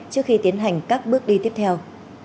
trước khi tiến hành các bước đi tiếp theo